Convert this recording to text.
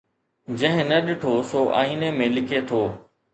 جنهن نه ڏٺو سو آئيني ۾ لڪي ٿو